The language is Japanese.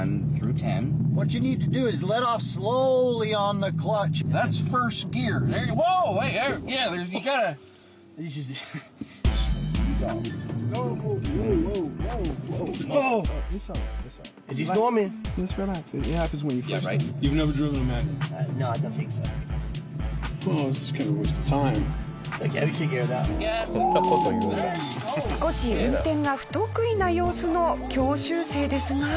少し運転が不得意な様子の教習生ですが。